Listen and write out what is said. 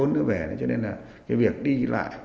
nó về cho nên là cái việc đi lại